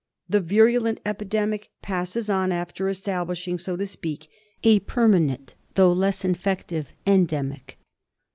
The virulent epidemic passes on after establishing, so to speak, a permanent though less infective endemic.